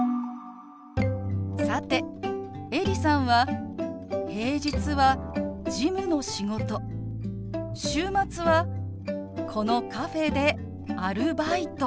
さてエリさんは平日は事務の仕事週末はこのカフェでアルバイト。